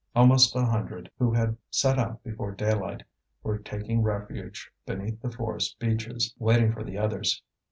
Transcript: Almost a hundred, who had set out before daylight, were taking refuge beneath the forest beeches, waiting for the others.